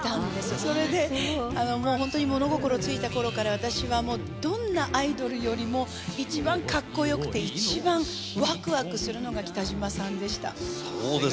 それでホントに物心ついたころから私はどんなアイドルよりも一番かっこよくて一番ワクワクするのが北島さんでした。